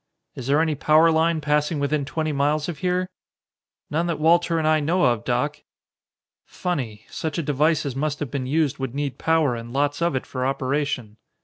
"Is there any power line passing within twenty miles of here?" "None that Walter and I know of, Doc." "Funny! Such a device as must have been used would need power and lots of it for operation.